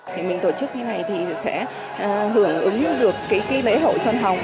thì mình tổ chức thế này thì sẽ hưởng ứng được cái ký lễ hậu sân hồng